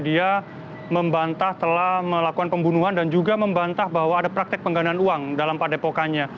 dia membantah telah melakukan pembunuhan dan juga membantah bahwa ada praktek penggandaan uang dalam padepokannya